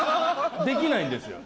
できないんですよ。